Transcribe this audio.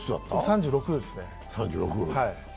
３６ですね。